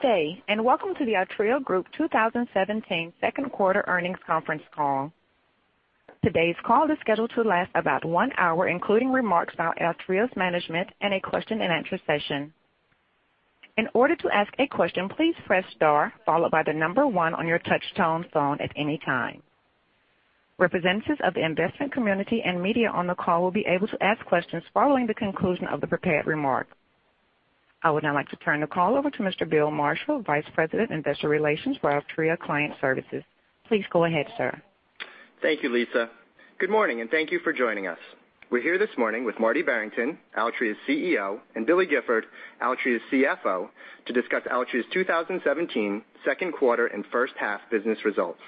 Good day, and welcome to the Altria Group 2017 second quarter earnings conference call. Today's call is scheduled to last about one hour, including remarks by Altria's management and a question and answer session. In order to ask a question, please press star followed by the number one on your touch-tone phone at any time. Representatives of the investment community and media on the call will be able to ask questions following the conclusion of the prepared remarks. I would now like to turn the call over to Mr. William Marshall, Vice President, Investor Relations for Altria Client Services. Please go ahead, sir. Thank you, Lisa. Good morning, and thank you for joining us. We're here this morning with Martin Barrington, Altria's CEO, and William Gifford, Altria's CFO, to discuss Altria's 2017 second quarter and first half business results.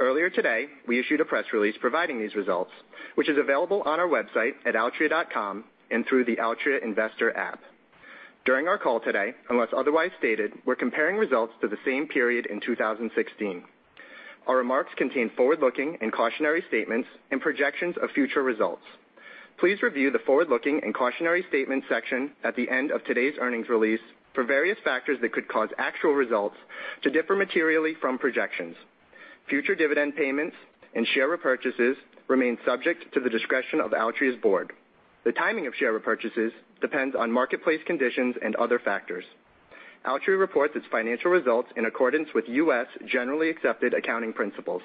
Earlier today, we issued a press release providing these results, which is available on our website at altria.com and through the MO Investor Relations. During our call today, unless otherwise stated, we're comparing results to the same period in 2016. Our remarks contain forward-looking and cautionary statements and projections of future results. Please review the forward-looking and cautionary statements section at the end of today's earnings release for various factors that could cause actual results to differ materially from projections. Future dividend payments and share repurchases remain subject to the discretion of Altria's board. The timing of share repurchases depends on marketplace conditions and other factors. Altria reports its financial results in accordance with U.S. generally accepted accounting principles.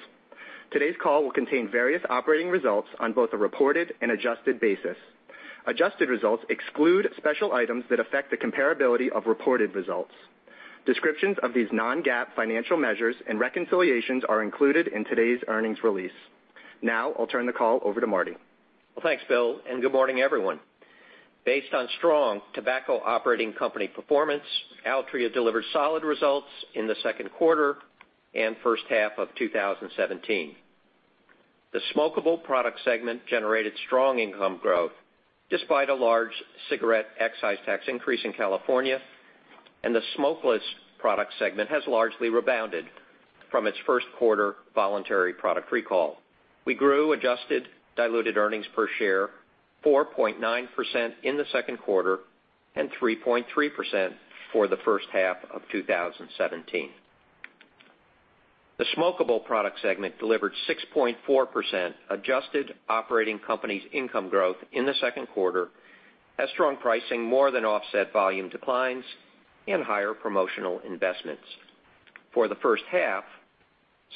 Today's call will contain various operating results on both a reported and adjusted basis. Adjusted results exclude special items that affect the comparability of reported results. Descriptions of these non-GAAP financial measures and reconciliations are included in today's earnings release. I'll turn the call over to Marty. Thanks, Bill, and good morning, everyone. Based on strong tobacco operating company performance, Altria delivered solid results in the second quarter and first half of 2017. The smokeable product segment generated strong income growth despite a large cigarette excise tax increase in California, and the smokeless product segment has largely rebounded from its first quarter voluntary product recall. We grew adjusted diluted earnings per share 4.9% in the second quarter and 3.3% for the first half of 2017. The smokeable product segment delivered 6.4% adjusted operating company's income growth in the second quarter as strong pricing more than offset volume declines and higher promotional investments. For the first half,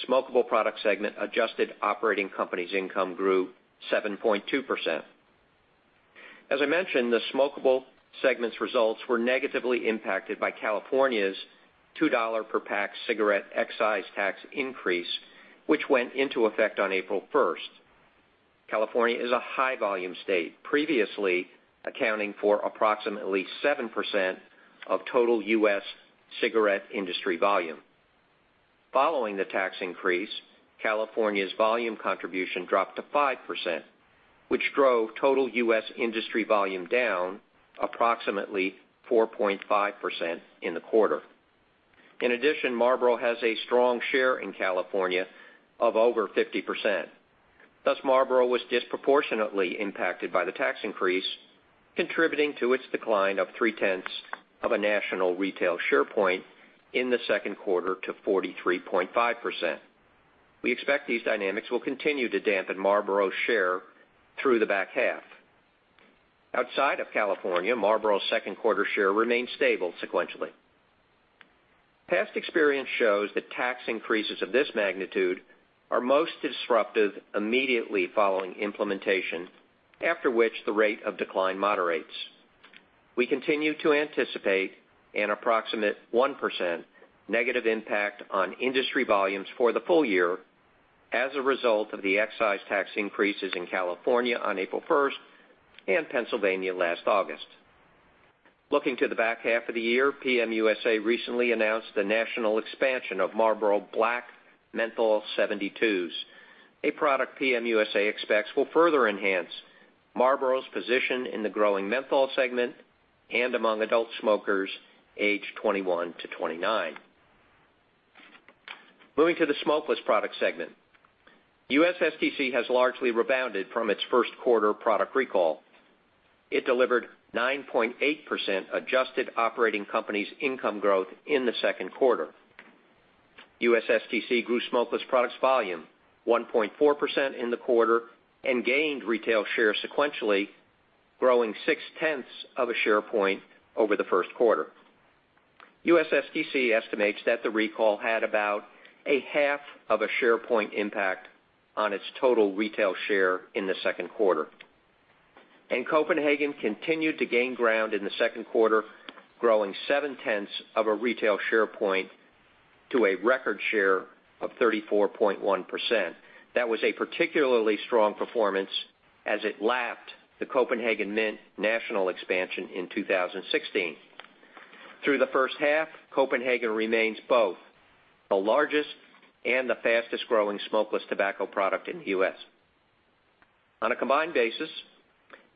smokeable product segment adjusted operating company's income grew 7.2%. As I mentioned, the smokeable segment's results were negatively impacted by California's $2 per pack cigarette excise tax increase, which went into effect on April 1st. California is a high-volume state, previously accounting for approximately 7% of total U.S. cigarette industry volume. Following the tax increase, California's volume contribution dropped to 5%, which drove total U.S. industry volume down approximately 4.5% in the quarter. In addition, Marlboro has a strong share in California of over 50%. Thus, Marlboro was disproportionately impacted by the tax increase, contributing to its decline of 0.3 of a national retail share point in the second quarter to 43.5%. We expect these dynamics will continue to dampen Marlboro's share through the back half. Outside of California, Marlboro's second quarter share remained stable sequentially. Past experience shows that tax increases of this magnitude are most disruptive immediately following implementation, after which the rate of decline moderates. We continue to anticipate an approximate 1% negative impact on industry volumes for the full year as a result of the excise tax increases in California on April 1st and Pennsylvania last August. Looking to the back half of the year, PM USA recently announced the national expansion of Marlboro Black Menthol 72s, a product PM USA expects will further enhance Marlboro's position in the growing menthol segment and among adult smokers aged 21 to 29. Moving to the smokeless product segment. USSTC has largely rebounded from its first quarter product recall. It delivered 9.8% adjusted operating company's income growth in the second quarter. USSTC grew smokeless products volume 1.4% in the quarter and gained retail share sequentially, growing 0.6 of a share point over the first quarter. USSTC estimates that the recall had about 0.5 of a share point impact on its total retail share in the second quarter. Copenhagen continued to gain ground in the second quarter, growing 0.7 of a retail share point to a record share of 34.1%. That was a particularly strong performance as it lapped the Copenhagen Mint national expansion in 2016. Through the first half, Copenhagen remains both the largest and the fastest-growing smokeless tobacco product in the U.S. On a combined basis,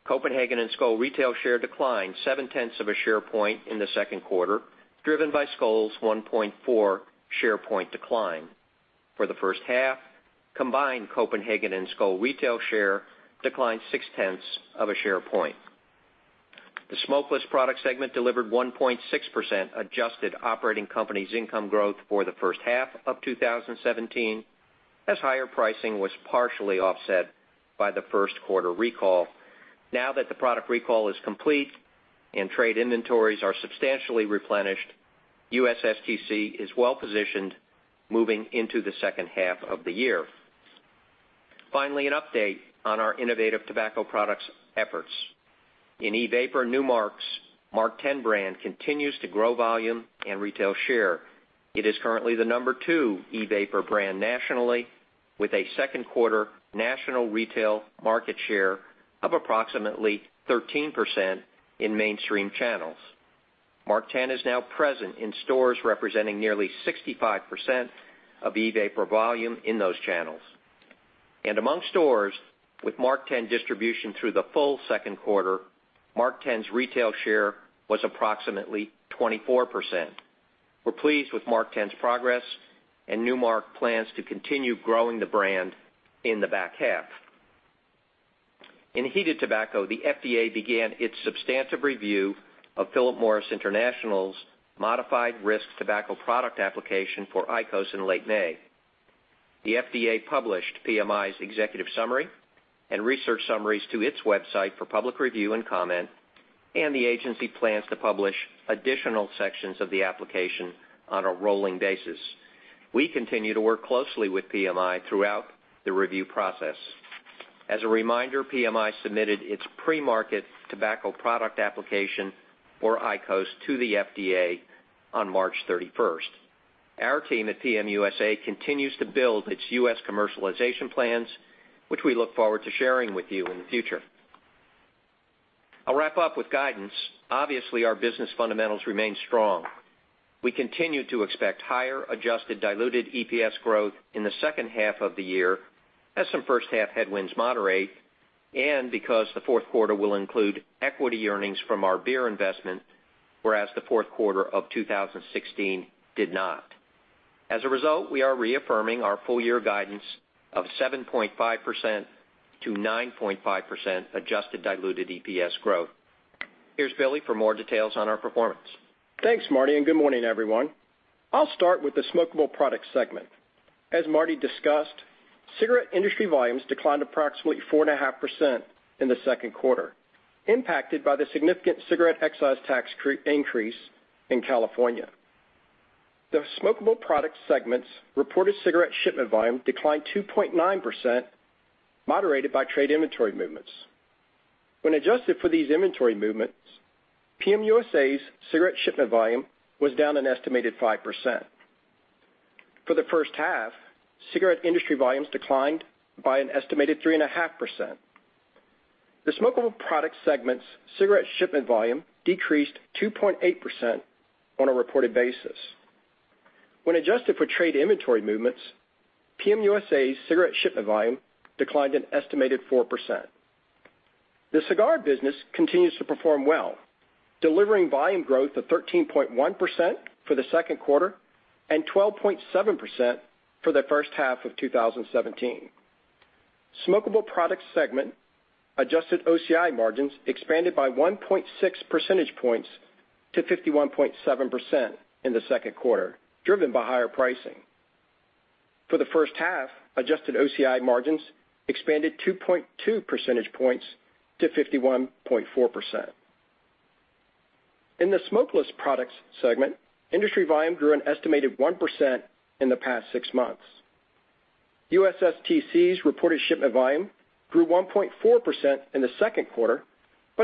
Copenhagen and Skoal retail share declined 0.7 of a share point in the second quarter, driven by Skoal's 1.4 share point decline. For the first half, combined Copenhagen and Skoal retail share declined 0.6 of a share point. The smokeless product segment delivered 1.6% adjusted operating company's income growth for the first half of 2017, as higher pricing was partially offset by the first quarter recall. Now that the product recall is complete and trade inventories are substantially replenished, USSTC is well-positioned moving into the second half of the year. Finally, an update on our innovative tobacco products efforts. In e-vapor, Nu Mark's MarkTen brand continues to grow volume and retail share. It is currently the number two e-vapor brand nationally, with a second quarter national retail market share of approximately 13% in mainstream channels. MarkTen is now present in stores representing nearly 65% of e-vapor volume in those channels. Among stores with MarkTen distribution through the full second quarter, MarkTen's retail share was approximately 24%. We're pleased with MarkTen's progress and Nu Mark plans to continue growing the brand in the back half. In heated tobacco, the FDA began its substantive review of Philip Morris International's modified risk tobacco product application for IQOS in late May. The FDA published PMI's executive summary and research summaries to its website for public review and comment, the agency plans to publish additional sections of the application on a rolling basis. We continue to work closely with PMI throughout the review process. As a reminder, PMI submitted its pre-market tobacco product application for IQOS to the FDA on March 31st. Our team at PM USA continues to build its U.S. commercialization plans, which we look forward to sharing with you in the future. I'll wrap up with guidance. Obviously, our business fundamentals remain strong. We continue to expect higher adjusted diluted EPS growth in the second half of the year as some first half headwinds moderate, because the fourth quarter will include equity earnings from our beer investment, whereas the fourth quarter of 2016 did not. As a result, we are reaffirming our full year guidance of 7.5%-9.5% adjusted diluted EPS growth. Here's Billy for more details on our performance. Thanks, Marty, good morning, everyone. I'll start with the smokable product segment. As Marty discussed, cigarette industry volumes declined approximately 4.5% in the second quarter, impacted by the significant cigarette excise tax increase in California. The smokable product segment's reported cigarette shipment volume declined 2.9%, moderated by trade inventory movements. When adjusted for these inventory movements, PM USA's cigarette shipment volume was down an estimated 5%. For the first half, cigarette industry volumes declined by an estimated 3.5%. The smokable product segment's cigarette shipment volume decreased 2.8% on a reported basis. When adjusted for trade inventory movements, PM USA's cigarette shipment volume declined an estimated 4%. The cigar business continues to perform well, delivering volume growth of 13.1% for the second quarter and 12.7% for the first half of 2017. Smokable products segment adjusted OCI margins expanded by 1.6 percentage points to 51.7% in the second quarter, driven by higher pricing. For the first half, adjusted OCI margins expanded 2.2 percentage points to 51.4%. In the smokeless products segment, industry volume grew an estimated 1% in the past six months. USSTC's reported shipment volume grew 1.4% in the second quarter,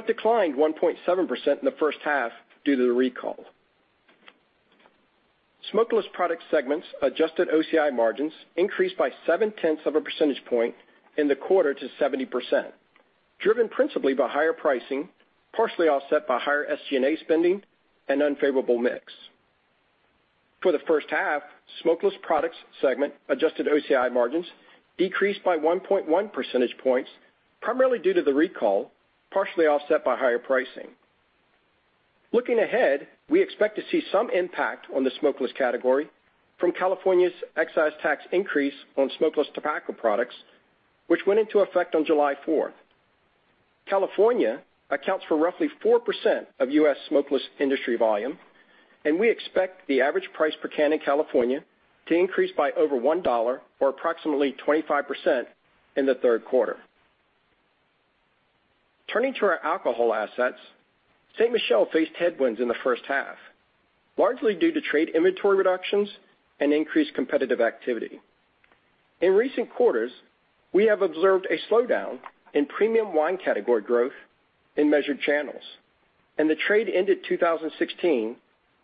declined 1.7% in the first half due to the recall. Smokeless product segment's adjusted OCI margins increased by seven tenths of a percentage point in the quarter to 70%, driven principally by higher pricing, partially offset by higher SG&A spending and unfavorable mix. For the first half, smokeless products segment adjusted OCI margins decreased by 1.1 percentage points, primarily due to the recall, partially offset by higher pricing. Looking ahead, we expect to see some impact on the smokeless category from California's excise tax increase on smokeless tobacco products, which went into effect on July 4th. California accounts for roughly 4% of U.S. smokeless industry volume, and we expect the average price per can in California to increase by over $1 or approximately 25% in the third quarter. Turning to our alcohol assets, Ste. Michelle faced headwinds in the first half, largely due to trade inventory reductions and increased competitive activity. In recent quarters, we have observed a slowdown in premium wine category growth in measured channels, and the trade ended 2016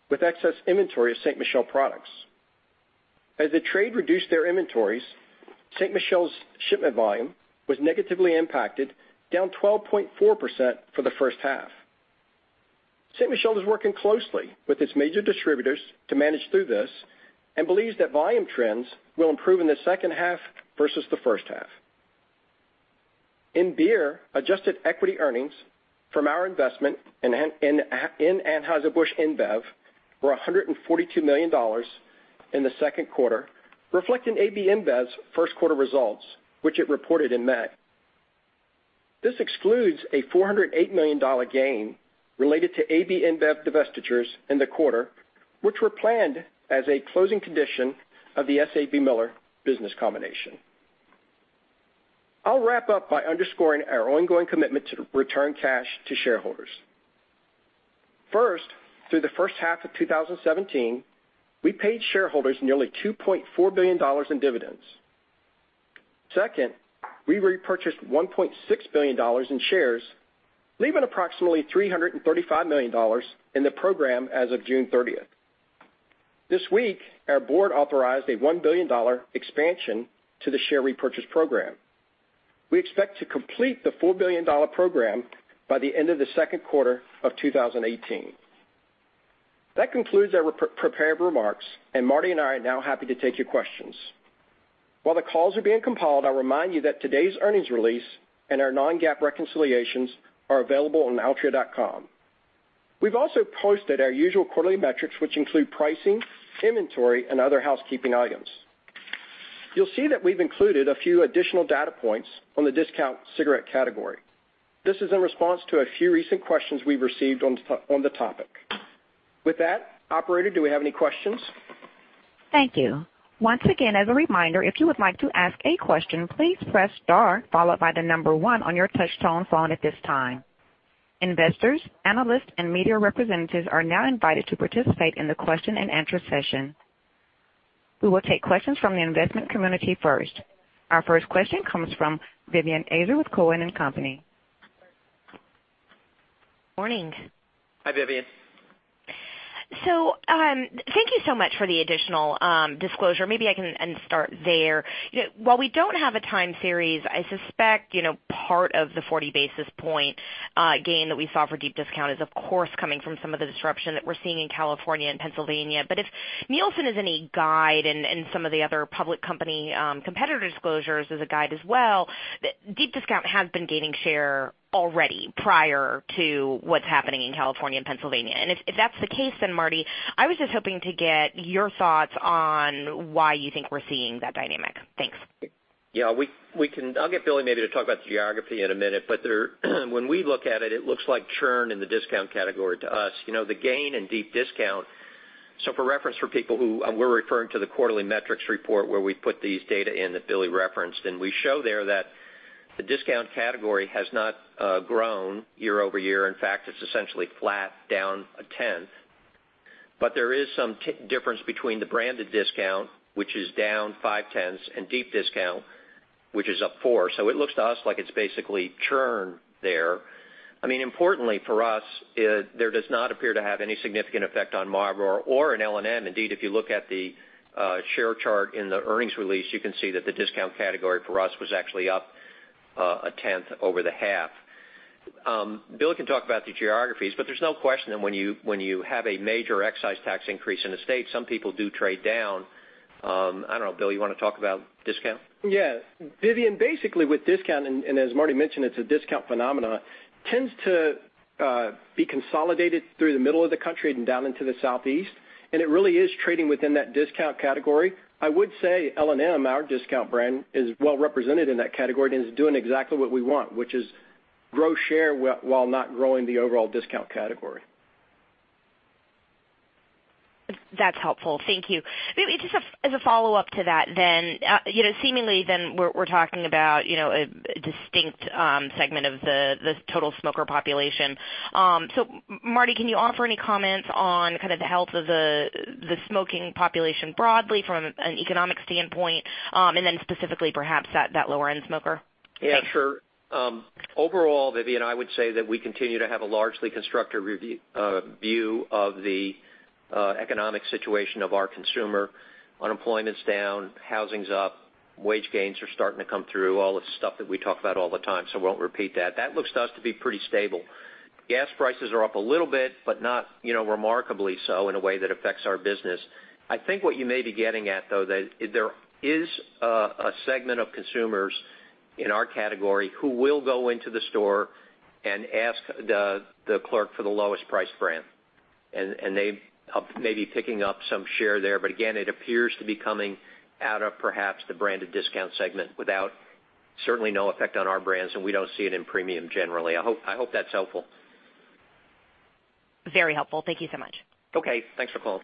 with excess inventory of Ste. Michelle products. As the trade reduced their inventories, Ste. Michelle's shipment volume was negatively impacted, down 12.4% for the first half. Ste. Michelle is working closely with its major distributors to manage through this and believes that volume trends will improve in the second half versus the first half. In beer, adjusted equity earnings from our investment in Anheuser-Busch InBev were $142 million in the second quarter, reflecting AB InBev's first quarter results, which it reported in May. This excludes a $408 million gain related to AB InBev divestitures in the quarter, which were planned as a closing condition of the SABMiller business combination. I'll wrap up by underscoring our ongoing commitment to return cash to shareholders. First, through the first half of 2017, we paid shareholders nearly $2.4 billion in dividends. Second, we repurchased $1.6 billion in shares, leaving approximately $335 million in the program as of June 30th. This week, our board authorized a $1 billion expansion to the share repurchase program. We expect to complete the $4 billion program by the end of the second quarter of 2018. That concludes our prepared remarks, and Marty and I are now happy to take your questions. While the calls are being compiled, I'll remind you that today's earnings release and our non-GAAP reconciliations are available on altria.com. We've also posted our usual quarterly metrics, which include pricing, inventory, and other housekeeping items. You'll see that we've included a few additional data points on the discount cigarette category. This is in response to a few recent questions we've received on the topic. With that, operator, do we have any questions? Thank you. Once again, as a reminder, if you would like to ask a question, please press star followed by the number one on your touchtone phone at this time. Investors, analysts, and media representatives are now invited to participate in the question and answer session. We will take questions from the investment community first. Our first question comes from Vivien Azer with Cowen and Company. Morning. Hi, Vivien. Thank you so much for the additional disclosure. Maybe I can start there. While we don't have a time series, I suspect part of the 40 basis point gain that we saw for deep discount is, of course, coming from some of the disruption that we're seeing in California and Pennsylvania. If Nielsen is any guide and some of the other public company competitor disclosures as a guide as well, deep discount has been gaining share already prior to what's happening in California and Pennsylvania. If that's the case, Marty, I was just hoping to get your thoughts on why you think we're seeing that dynamic. Thanks. Yeah. I'll get Billy maybe to talk about the geography in a minute, when we look at it looks like churn in the discount category to us. The gain in deep discount, for reference for people who we're referring to the Quarterly Metrics Report where we put these data in that Billy referenced, we show there that the discount category has not grown year-over-year. In fact, it's essentially flat down one tenth. There is some difference between the branded discount, which is down five tenths, and deep discount, which is up four. It looks to us like it's basically churn there. Importantly for us, there does not appear to have any significant effect on Marlboro or L&M. Indeed, if you look at the share chart in the earnings release, you can see that the discount category for us was actually up one tenth over the half. Bill can talk about the geographies, there's no question that when you have a major excise tax increase in a state, some people do trade down. I don't know, Bill, you want to talk about discount? Yeah. Vivien, basically with discount, as Marty mentioned, it's a discount phenomenon, tends to be consolidated through the middle of the country and down into the Southeast, it really is trading within that discount category. I would say L&M, our discount brand, is well represented in that category and is doing exactly what we want, which is grow share while not growing the overall discount category. That's helpful. Thank you. Maybe just as a follow-up to that, seemingly we're talking about a distinct segment of the total smoker population. Marty, can you offer any comments on the health of the smoking population broadly from an economic standpoint, and then specifically perhaps that lower end smoker? Thanks. Yeah, sure. Overall, Vivien, I would say that we continue to have a largely constructive view of the economic situation of our consumer. Unemployment's down, housing's up, wage gains are starting to come through, all the stuff that we talk about all the time. I won't repeat that. That looks to us to be pretty stable. Gas prices are up a little bit, not remarkably so in a way that affects our business. I think what you may be getting at, though, that there is a segment of consumers in our category who will go into the store and ask the clerk for the lowest priced brand. They may be picking up some share there. Again, it appears to be coming out of perhaps the branded discount segment without certainly no effect on our brands. We don't see it in premium generally. I hope that's helpful. Very helpful. Thank you so much. Okay, thanks for calling.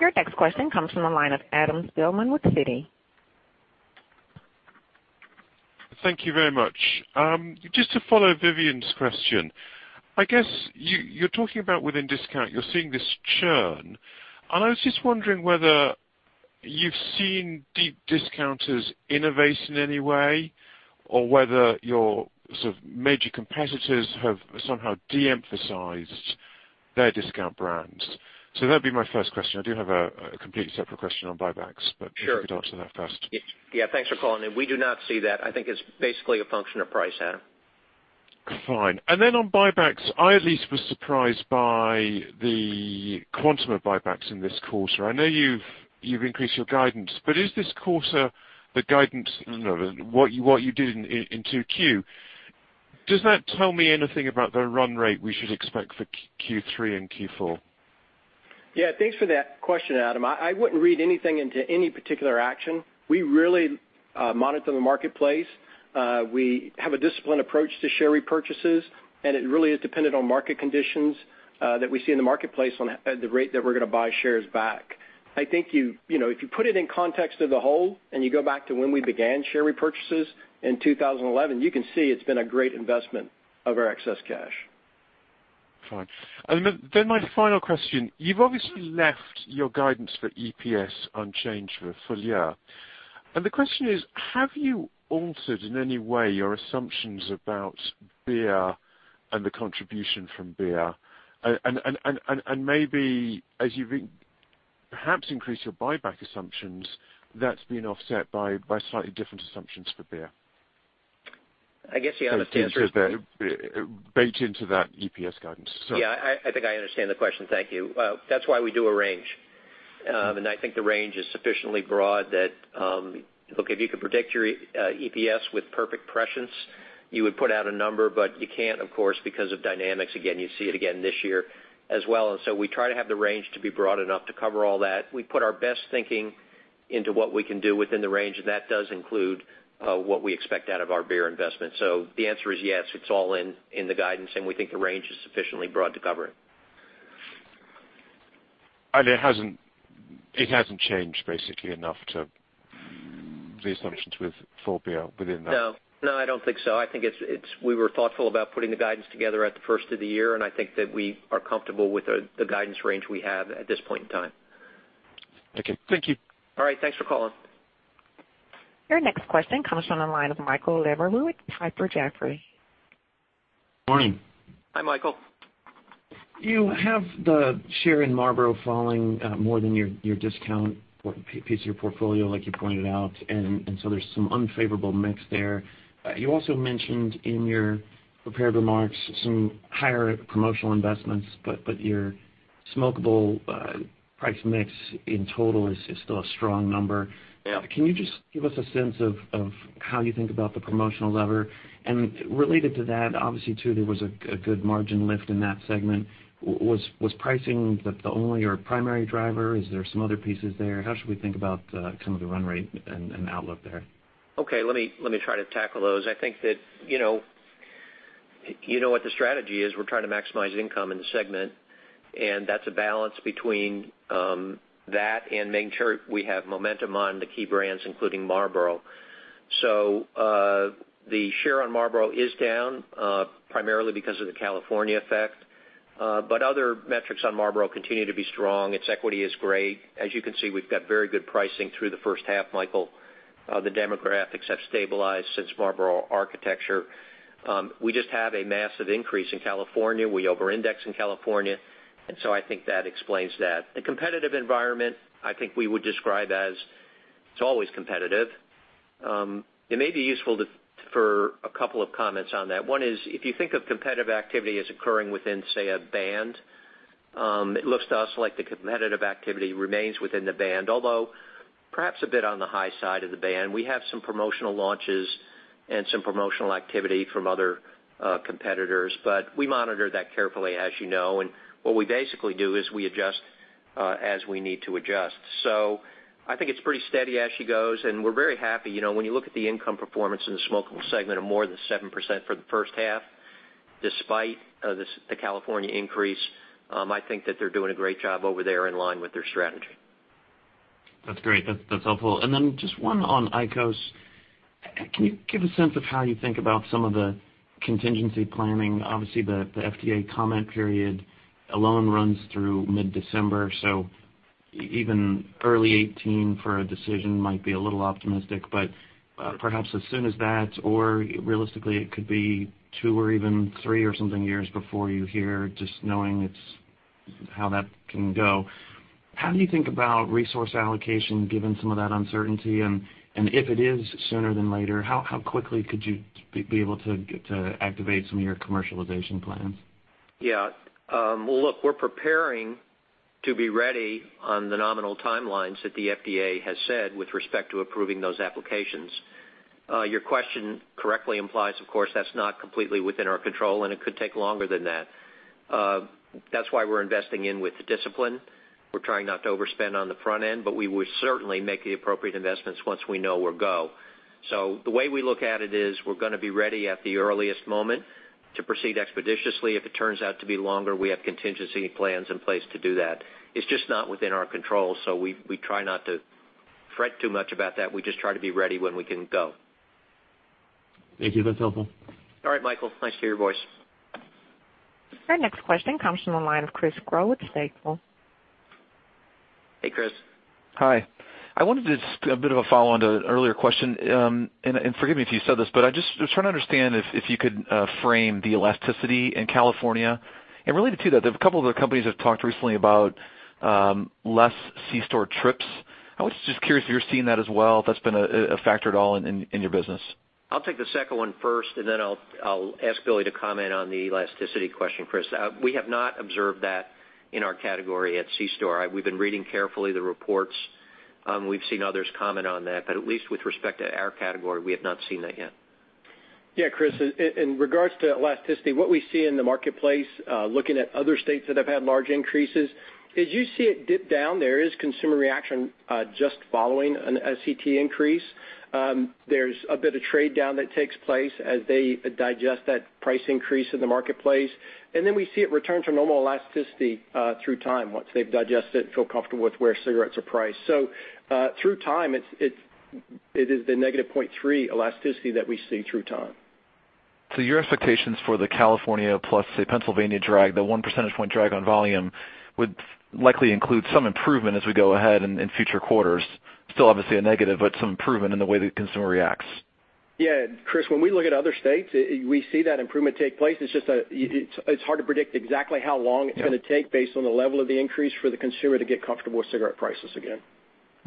Your next question comes from the line of Adam Spielman with Citi. Thank you very much. Just to follow Vivien's question, I guess you're talking about within discount, you're seeing this churn, and I was just wondering whether you've seen deep discounters innovate in any way or whether your major competitors have somehow de-emphasized their discount brands. That'd be my first question. I do have a completely separate question on buybacks, if you could answer that first. Yeah. Thanks for calling in. We do not see that. I think it's basically a function of price, Adam. Fine. On buybacks, I at least was surprised by the quantum of buybacks in this quarter. I know you've increased your guidance, but is this quarter, what you did in 2Q, does that tell me anything about the run rate we should expect for Q3 and Q4? Yeah. Thanks for that question, Adam. I wouldn't read anything into any particular action. We really monitor the marketplace. We have a disciplined approach to share repurchases, it really is dependent on market conditions that we see in the marketplace on the rate that we're going to buy shares back. I think if you put it in context of the whole, you go back to when we began share repurchases in 2011, you can see it's been a great investment of our excess cash. Fine. My final question, you've obviously left your guidance for EPS unchanged for the full year. The question is, have you altered in any way your assumptions about beer and the contribution from beer? Maybe as you've perhaps increased your buyback assumptions, that's been offset by slightly different assumptions for beer. I guess, yeah. Baked into that EPS guidance. Sorry. Yeah, I think I understand the question. Thank you. That's why we do a range. I think the range is sufficiently broad that, look, if you could predict your EPS with perfect prescience, you would put out a number, but you can't, of course, because of dynamics again. You see it again this year as well. We try to have the range to be broad enough to cover all that. We put our best thinking into what we can do within the range, and that does include what we expect out of our beer investment. The answer is yes, it's all in the guidance, and we think the range is sufficiently broad to cover it. It hasn't changed basically enough to the assumptions for beer within that. No, I don't think so. I think we were thoughtful about putting the guidance together at the first of the year, and I think that we are comfortable with the guidance range we have at this point in time. Okay. Thank you. All right. Thanks for calling. Your next question comes from the line of Michael Lavery with Piper Jaffray. Morning. Hi, Michael. You have the share in Marlboro falling more than your discount piece of your portfolio, like you pointed out, there's some unfavorable mix there. You also mentioned in your prepared remarks some higher promotional investments, your smokable price mix in total is still a strong number. Yeah. Can you just give us a sense of how you think about the promotional lever? Related to that, obviously too, there was a good margin lift in that segment. Was pricing the only or primary driver? Is there some other pieces there? How should we think about the run rate and outlook there? Okay, let me try to tackle those. I think that you know what the strategy is. We're trying to maximize income in the segment, and that's a balance between that and making sure we have momentum on the key brands, including Marlboro. The share on Marlboro is down primarily because of the California effect. Other metrics on Marlboro continue to be strong. Its equity is great. As you can see, we've got very good pricing through the first half, Michael. The demographics have stabilized since Marlboro Architecture. We just have a massive increase in California. We over-index in California, I think that explains that. The competitive environment, I think we would describe as it's always competitive. It may be useful for a couple of comments on that. One is, if you think of competitive activity as occurring within, say, a band, it looks to us like the competitive activity remains within the band, although perhaps a bit on the high side of the band. We have some promotional launches and some promotional activity from other competitors, we monitor that carefully, as you know. What we basically do is we adjust as we need to adjust. I think it's pretty steady as she goes, and we're very happy. When you look at the income performance in the smokable segment of more than 7% for the first half, despite the California increase, I think that they're doing a great job over there in line with their strategy. That's great. That's helpful. Just one on IQOS. Can you give a sense of how you think about some of the contingency planning? Obviously, the FDA comment period alone runs through mid-December. Even early 2018 for a decision might be a little optimistic. Perhaps as soon as that or realistically it could be two or even three or something years before you hear, just knowing how that can go. How do you think about resource allocation given some of that uncertainty? If it is sooner than later, how quickly could you be able to activate some of your commercialization plans? Yeah. Look, we're preparing to be ready on the nominal timelines that the FDA has set with respect to approving those applications. Your question correctly implies, of course, that's not completely within our control. It could take longer than that. That's why we're investing in with discipline. We're trying not to overspend on the front end. We would certainly make the appropriate investments once we know we're go. The way we look at it is we're going to be ready at the earliest moment to proceed expeditiously. If it turns out to be longer, we have contingency plans in place to do that. It's just not within our control. We try not to fret too much about that. We just try to be ready when we can go. Thank you. That's helpful. All right, Michael. Nice to hear your voice. Our next question comes from the line of Chris Growe with Stifel. Hey, Chris. Hi. I wanted to just a bit of a follow-on to an earlier question, and forgive me if you said this, but I'm just trying to understand if you could frame the elasticity in California. Related to that, a couple of other companies have talked recently about less C-store trips I was just curious if you're seeing that as well, if that's been a factor at all in your business. I'll take the second one first. Then I'll ask Billy to comment on the elasticity question, Chris. We have not observed that in our category at c-store. We've been reading carefully the reports. We've seen others comment on that, but at least with respect to our category, we have not seen that yet. Yeah, Chris, in regards to elasticity, what we see in the marketplace, looking at other states that have had large increases, as you see it dip down there, is consumer reaction just following a CET increase. There's a bit of trade-down that takes place as they digest that price increase in the marketplace. Then we see it return to normal elasticity through time once they've digested it and feel comfortable with where cigarettes are priced. Through time, it is the -0.3 elasticity that we see through time. Your expectations for the California plus, say, Pennsylvania drag, the 1 percentage point drag on volume, would likely include some improvement as we go ahead in future quarters. Still obviously a negative, but some improvement in the way the consumer reacts. Yeah, Chris, when we look at other states, we see that improvement take place. It's just hard to predict exactly how long it's going to take based on the level of the increase for the consumer to get comfortable with cigarette prices again.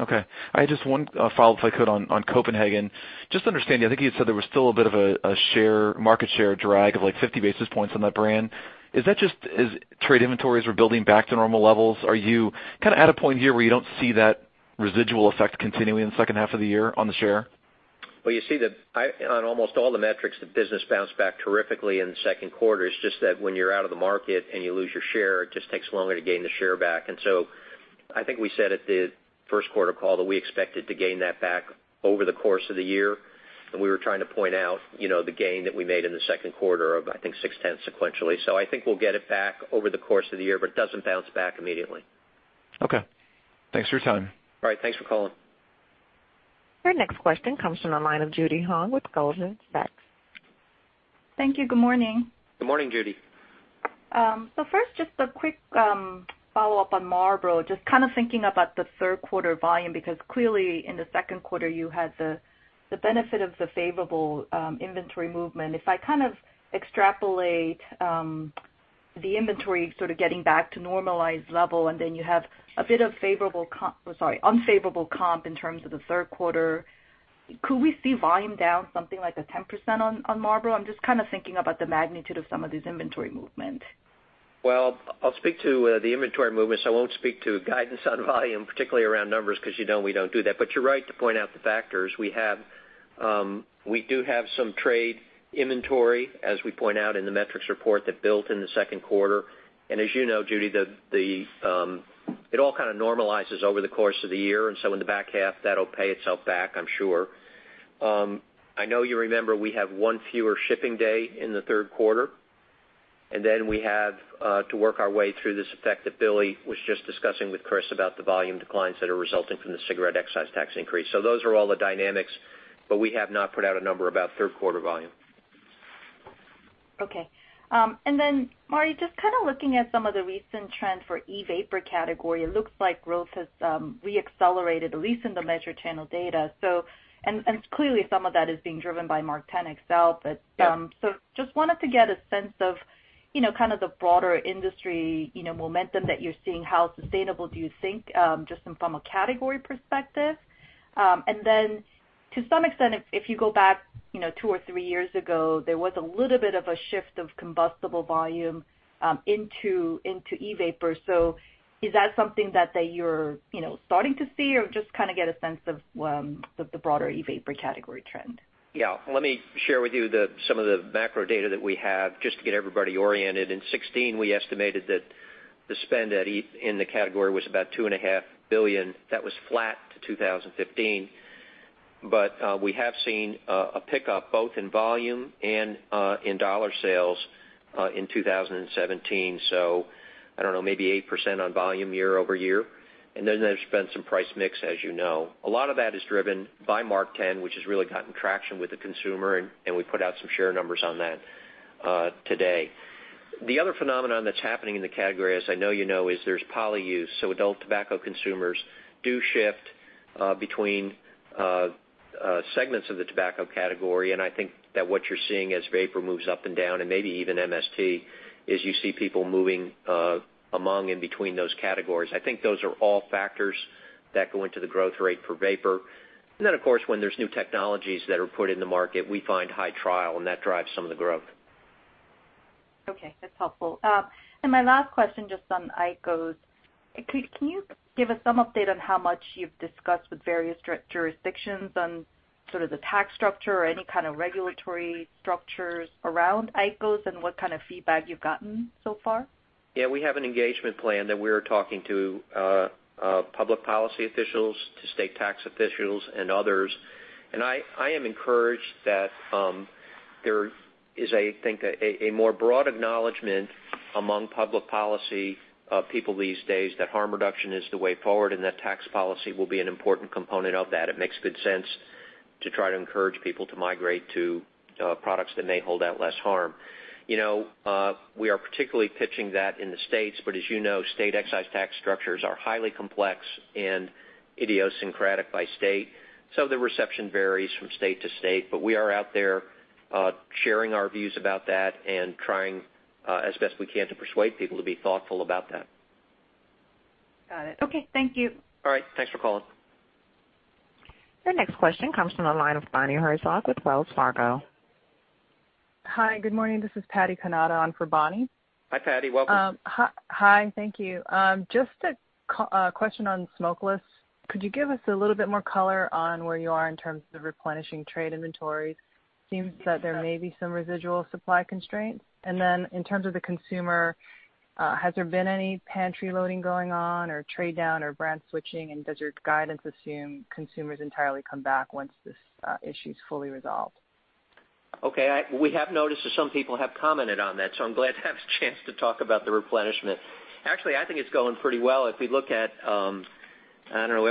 Okay. I had just one follow-up, if I could, on Copenhagen. Just understanding, I think you said there was still a bit of a market share drag of like 50 basis points on that brand. Is that just as trade inventories are building back to normal levels? Are you at a point here where you don't see that residual effect continuing in the second half of the year on the share? Well, you see that on almost all the metrics, the business bounced back terrifically in the second quarter. It's just that when you're out of the market and you lose your share, it just takes longer to gain the share back. I think we said at the first quarter call that we expected to gain that back over the course of the year, and we were trying to point out the gain that we made in the second quarter of, I think, six tenths sequentially. I think we'll get it back over the course of the year, but it doesn't bounce back immediately. Okay. Thanks for your time. All right. Thanks for calling. Our next question comes from the line of Judy Hong with Goldman Sachs. Thank you. Good morning. Good morning, Judy. First, just a quick follow-up on Marlboro. Just thinking about the third quarter volume, because clearly in the second quarter, you had the benefit of the favorable inventory movement. If I extrapolate the inventory sort of getting back to normalized level, and then you have a bit of unfavorable comp in terms of the third quarter, could we see volume down something like 10% on Marlboro? I'm just thinking about the magnitude of some of these inventory movement. I'll speak to the inventory movements. I won't speak to guidance on volume, particularly around numbers, because you know we don't do that. You're right to point out the factors. We do have some trade inventory, as we point out in the metrics report that built in the second quarter. As you know, Judy, it all kind of normalizes over the course of the year, and so in the back half, that'll pay itself back, I'm sure. I know you remember we have one fewer shipping day in the third quarter, and then we have to work our way through this effect that Billy was just discussing with Chris about the volume declines that are resulting from the cigarette excise tax increase. Those are all the dynamics, but we have not put out a number about third quarter volume. Okay. Marty, just looking at some of the recent trends for e-vapor category, it looks like growth has re-accelerated, at least in the measured channel data. Clearly, some of that is being driven by MarkTen XL. Yeah. Just wanted to get a sense of the broader industry momentum that you're seeing, how sustainable do you think, just from a category perspective. To some extent, if you go back two or three years ago, there was a little bit of a shift of combustible volume into e-vapor. Is that something that you're starting to see or just get a sense of the broader e-vapor category trend? Yeah. Let me share with you some of the macro data that we have just to get everybody oriented. In 2016, we estimated that the spend in the category was about $2.5 billion. That was flat to 2015. We have seen a pickup both in volume and in dollar sales in 2017. I don't know, maybe 8% on volume year-over-year. There's been some price mix, as you know. A lot of that is driven by MarkTen, which has really gotten traction with the consumer, and we put out some share numbers on that today. The other phenomenon that's happening in the category, as I know you know, is there's polyuse. Adult tobacco consumers do shift between segments of the tobacco category, and I think that what you're seeing as vapor moves up and down, and maybe even MST, is you see people moving among and between those categories. I think those are all factors that go into the growth rate for vapor. Then, of course, when there's new technologies that are put in the market, we find high trial, and that drives some of the growth. Okay. That's helpful. My last question, just on IQOS. Can you give us some update on how much you've discussed with various jurisdictions on the tax structure or any kind of regulatory structures around IQOS and what kind of feedback you've gotten so far? Yeah, we have an engagement plan that we're talking to public policy officials, to state tax officials, and others. I am encouraged that there is, I think, a more broad acknowledgment among public policy people these days that harm reduction is the way forward and that tax policy will be an important component of that. It makes good sense to try to encourage people to migrate to products that may hold out less harm. We are particularly pitching that in the States, but as you know, state excise tax structures are highly complex and idiosyncratic by state. The reception varies from state to state, but we are out there sharing our views about that and trying as best we can to persuade people to be thoughtful about that. Got it. Okay, thank you. All right. Thanks for calling. Your next question comes from the line of Bonnie Herzog with Wells Fargo. Hi, good morning. This is Patty Kanada on for Bonnie. Hi, Patty. Welcome. Hi. Thank you. Just a question on Smokeless. Could you give us a little bit more color on where you are in terms of replenishing trade inventories? Seems that there may be some residual supply constraints. In terms of the consumer, has there been any pantry loading going on or trade down or brand switching, and does your guidance assume consumers entirely come back once this issue's fully resolved? Okay. We have noticed that some people have commented on that, I'm glad to have a chance to talk about the replenishment. Actually, I think it's going pretty well. When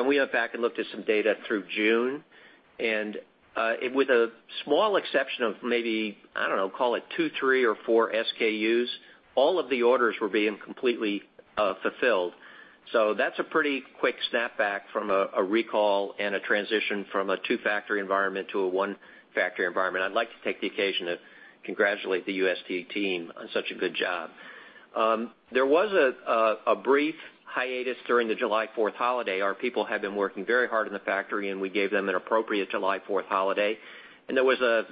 we went back and looked at some data through June, with a small exception of maybe, I don't know, call it two, three or four SKUs, all of the orders were being completely fulfilled. That's a pretty quick snapback from a recall and a transition from a two-factory environment to a one-factory environment. I'd like to take the occasion to congratulate the UST team on such a good job. There was a brief hiatus during the July 4th holiday. Our people had been working very hard in the factory, and we gave them an appropriate July 4th holiday. There was a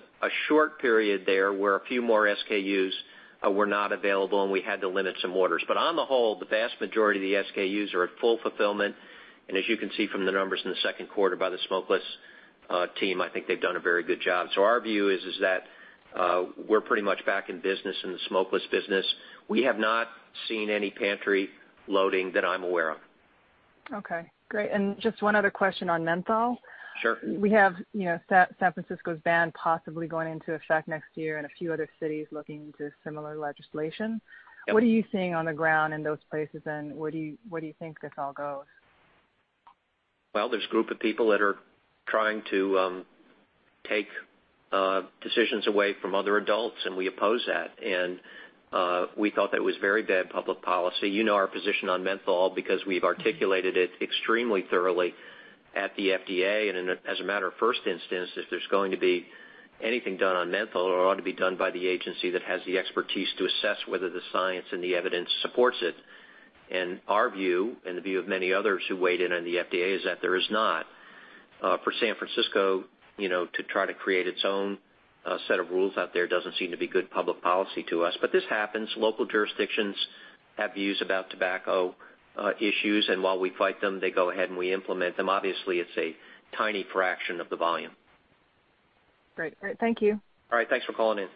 short period there where a few more SKUs were not available, and we had to limit some orders. On the whole, the vast majority of the SKUs are at full fulfillment, and as you can see from the numbers in the second quarter by the Smokeless team, I think they've done a very good job. Our view is that we're pretty much back in business in the Smokeless business. We have not seen any pantry loading that I'm aware of. Okay, great. Just one other question on menthol. Sure. We have San Francisco's ban possibly going into effect next year and a few other cities looking into similar legislation. Yep. What are you seeing on the ground in those places, and where do you think this all goes? Well, there's a group of people that are trying to take decisions away from other adults, and we oppose that. We felt that was very bad public policy. You know our position on menthol because we've articulated it extremely thoroughly at the FDA. As a matter of first instance, if there's going to be anything done on menthol, it ought to be done by the agency that has the expertise to assess whether the science and the evidence supports it. Our view, and the view of many others who weighed in on the FDA, is that there is not. For San Francisco to try to create its own set of rules out there doesn't seem to be good public policy to us. This happens. Local jurisdictions have views about tobacco issues, and while we fight them, they go ahead and re-implement them. Obviously, it's a tiny fraction of the volume. Great. All right, thank you. All right, thanks for calling in.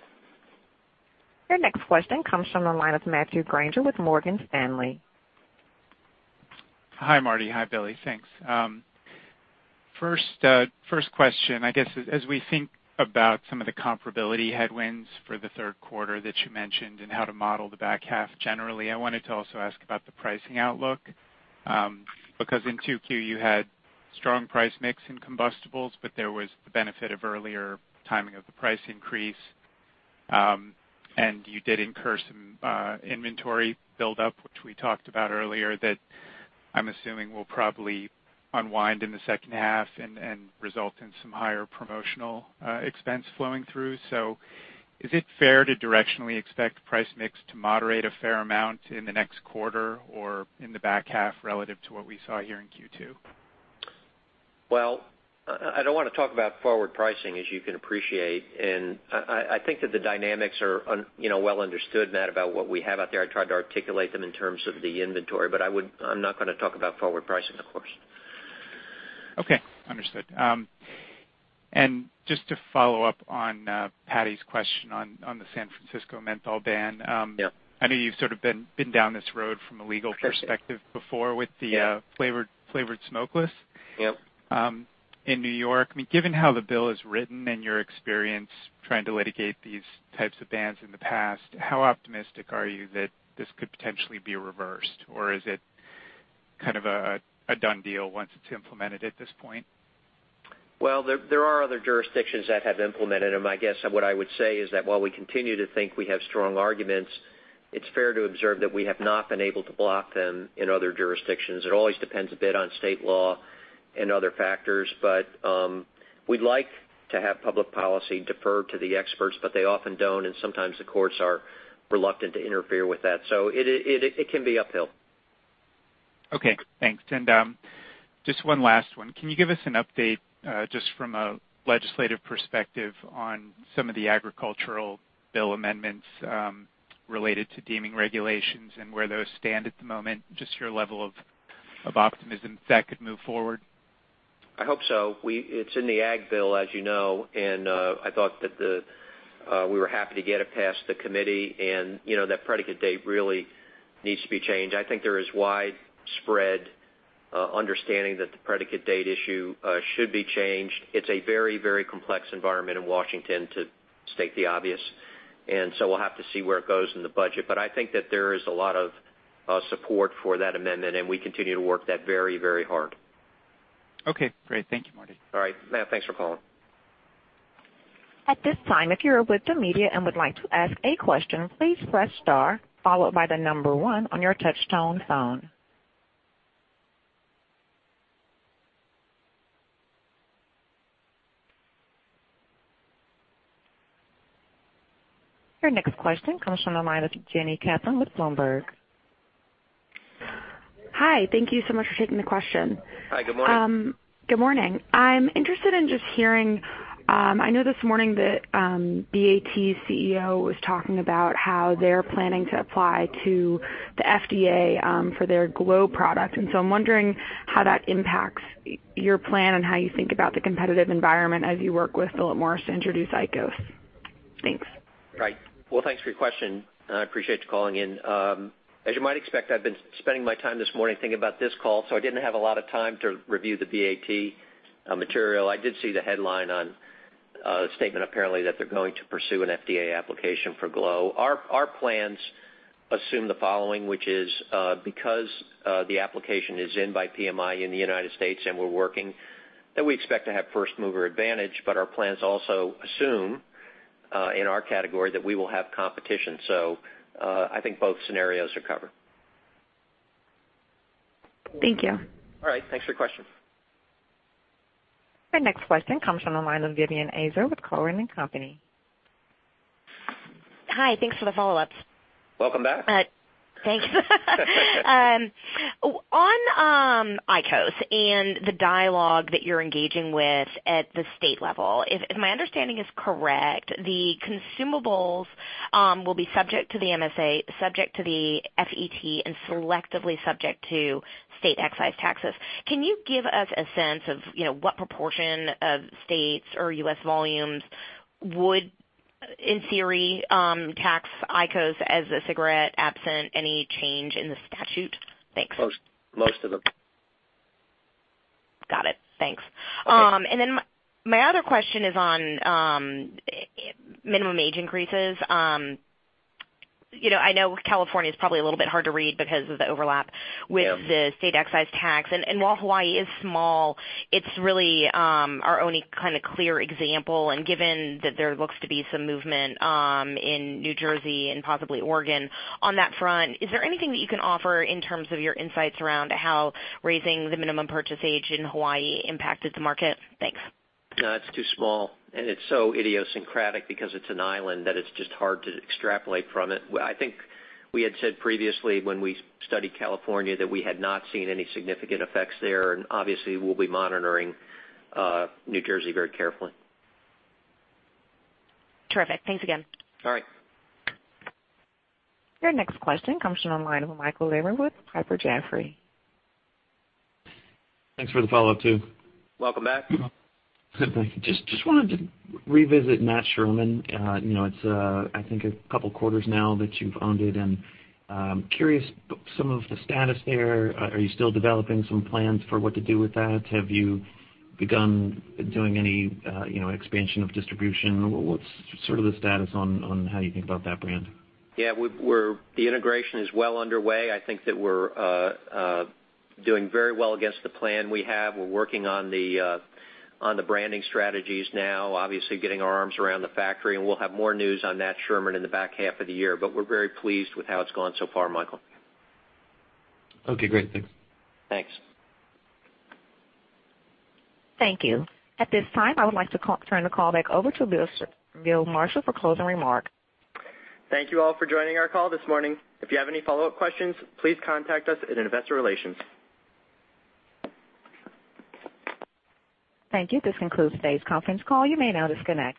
Your next question comes from the line of Matthew Grainger with Morgan Stanley. Hi, Marty. Hi, Billy. Thanks. First question. I guess as we think about some of the comparability headwinds for the third quarter that you mentioned and how to model the back half generally, I wanted to also ask about the pricing outlook. In 2Q, you had strong price mix in Combustibles, but there was the benefit of earlier timing of the price increase. You did incur some inventory buildup, which we talked about earlier, that I'm assuming will probably unwind in the second half and result in some higher promotional expense flowing through. Is it fair to directionally expect price mix to moderate a fair amount in the next quarter or in the back half relative to what we saw here in Q2? Well, I don't want to talk about forward pricing, as you can appreciate. I think that the dynamics are well understood, Matt, about what we have out there. I tried to articulate them in terms of the inventory, I'm not going to talk about forward pricing, of course. Okay. Understood. Just to follow up on Patty's question on the San Francisco menthol ban. Yep. I know you've sort of been down this road from a legal perspective before with the flavored smokeless- Yep in New York. Given how the bill is written and your experience trying to litigate these types of bans in the past, how optimistic are you that this could potentially be reversed? Is it kind of a done deal once it's implemented at this point? Well, there are other jurisdictions that have implemented them. I guess what I would say is that while we continue to think we have strong arguments, it's fair to observe that we have not been able to block them in other jurisdictions. It always depends a bit on state law and other factors. We'd like to have public policy defer to the experts, but they often don't, and sometimes the courts are reluctant to interfere with that. It can be uphill. Okay, thanks. Just one last one. Can you give us an update, just from a legislative perspective, on some of the Agriculture Appropriations Bill amendments related to Deeming Regulations and where those stand at the moment? Just your level of optimism that could move forward. I hope so. It's in the Ag Bill, as you know. I thought that we were happy to get it past the committee, and that predicate date really needs to be changed. I think there is widespread understanding that the predicate date issue should be changed. It's a very complex environment in Washington, to state the obvious. We'll have to see where it goes in the budget. I think that there is a lot of support for that amendment, and we continue to work that very hard. Okay, great. Thank you, Marty. All right. Matt, thanks for calling. At this time, if you are with the media and would like to ask a question, please press star followed by the number one on your touchtone phone. Your next question comes from the line of Jenny Kaplan with Bloomberg. Hi. Thank you so much for taking the question. Hi, good morning. Good morning. I'm interested in just hearing, I know this morning that BAT's CEO was talking about how they're planning to apply to the FDA for their glo product. I'm wondering how that impacts your plan and how you think about the competitive environment as you work with Philip Morris to introduce IQOS. Thanks. Right. Well, thanks for your question, and I appreciate you calling in. As you might expect, I've been spending my time this morning thinking about this call, so I didn't have a lot of time to review the BAT material. I did see the headline on a statement, apparently, that they're going to pursue an FDA application for glo. Our plans assume the following, which is because the application is in by PMI in the U.S., and we're working, that we expect to have first-mover advantage. Our plans also assume in our category that we will have competition. I think both scenarios are covered. Thank you. All right. Thanks for your question. Your next question comes from the line of Vivien Azer with Cowen and Company. Hi. Thanks for the follow-ups. Welcome back. Thanks. On IQOS and the dialogue that you're engaging with at the state level, if my understanding is correct, the consumables will be subject to the MSA, subject to the FET, and selectively subject to state excise taxes. Can you give us a sense of what proportion of states or U.S. volumes would, in theory, tax IQOS as a cigarette absent any change in the statute? Thanks. Most of them. Got it. Thanks. Okay. My other question is on minimum age increases. I know California is probably a little bit hard to read because of the overlap- Yeah with the state excise tax. While Hawaii is small, it's really our only clear example, and given that there looks to be some movement in New Jersey and possibly Oregon on that front, is there anything that you can offer in terms of your insights around how raising the minimum purchase age in Hawaii impacted the market? Thanks. No, it's too small. It's so idiosyncratic because it's an island that it's just hard to extrapolate from it. I think we had said previously when we studied California that we had not seen any significant effects there, obviously, we'll be monitoring New Jersey very carefully. Terrific. Thanks again. All right. Your next question comes from the line of Michael Lavery with Piper Jaffray. Thanks for the follow-up too. Welcome back. Thank you. Just wanted to revisit Nat Sherman. It's, I think a couple of quarters now that you've owned it, and curious some of the status there. Are you still developing some plans for what to do with that? Have you begun doing any expansion of distribution? What's the status on how you think about that brand? Yeah. The integration is well underway. I think that we're doing very well against the plan we have. We're working on the branding strategies now, obviously getting our arms around the factory, and we'll have more news on Nat Sherman in the back half of the year. We're very pleased with how it's gone so far, Michael. Okay, great. Thanks. Thanks. Thank you. At this time, I would like to turn the call back over to William Marshall for closing remarks. Thank you all for joining our call this morning. If you have any follow-up questions, please contact us at Investor Relations. Thank you. This concludes today's conference call. You may now disconnect.